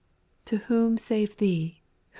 To whom, save Thee, etc.